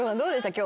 今日。